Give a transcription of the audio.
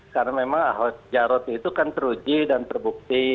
karena memang ahok jarot itu kan teruji dan terbukti